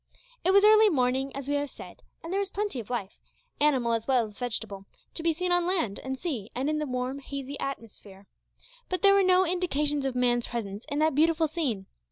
It was early morning, as we have said, and there was plenty of life animal as well as vegetable to be seen on land and sea, and in the warm, hazy atmosphere. But there were no indications of man's presence in that beautiful scene.